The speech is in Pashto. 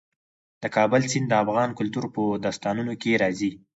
د کابل سیند د افغان کلتور په داستانونو کې راځي.